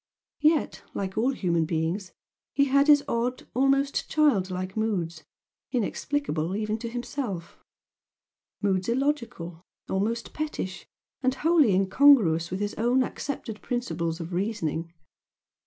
Yet, like all human beings, he had his odd, almost child like moods, inexplicable even to himself moods illogical, almost pettish, and wholly incongruous with his own accepted principles of reasoning.